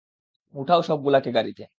উঠাও সবগুলো কে গাড়িতে!